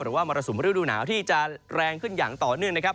มรสุมฤดูหนาวที่จะแรงขึ้นอย่างต่อเนื่องนะครับ